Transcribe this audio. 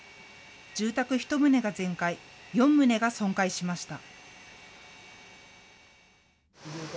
住宅１棟が全壊、４棟が損壊しました。